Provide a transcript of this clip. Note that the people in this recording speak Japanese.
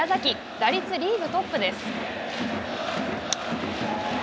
打率リーグトップです。